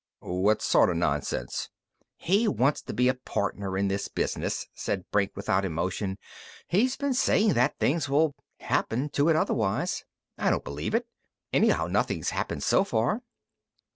"What sort of nonsense?" "He wants to be a partner in this business," said Brink without emotion. "He's been saying that things will happen to it otherwise. I don't believe it. Anyhow nothing's happened so far."